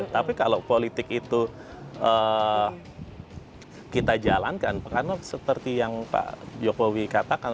tapi kalau politik itu kita jalankan karena seperti yang pak jokowi katakan